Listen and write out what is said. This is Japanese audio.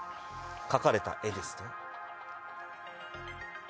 描かれた絵です。